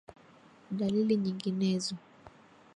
Dalili nyinginezo